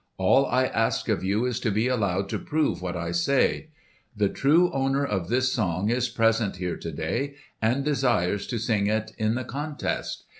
All I ask of you is to be allowed to prove what I say. The true owner of this song is present here to day and desires to sing it in the contest.